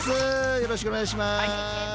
よろしくお願いします。